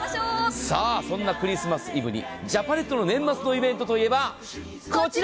そんなクリスマスイブにジャパネットの年末のイベントといえば。